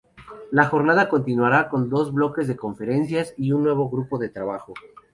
La jornada continuaría con dos bloques de conferencias y un nuevo grupo de trabajo.